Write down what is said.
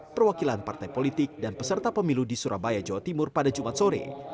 perwakilan partai politik dan peserta pemilu di surabaya jawa timur pada jumat sore